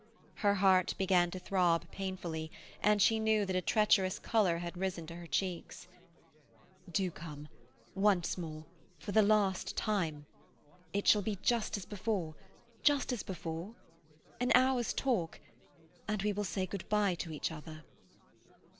Her heart began to throb painfully, and she knew that a treacherous colour had risen to her checks. "Do come—once more—for the last time. It shall be just as before—just as before. An hour's talk, and we will say good bye to each other."